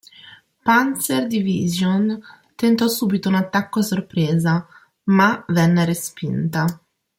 Panzer-Division tentò subito un attacco a sorpresa, ma venne respinta.